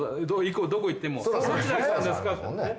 どこ行っても。